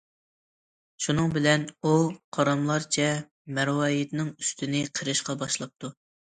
شۇنىڭ بىلەن ئۇ قاراملارچە مەرۋايىتنىڭ ئۈستىنى قىرىشقا باشلاپتۇ.